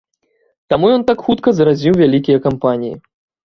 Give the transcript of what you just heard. Таму ён так хутка заразіў вялікія кампаніі.